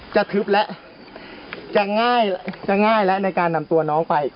จะทึบและจะง่ายและในการนำตัวน้องไป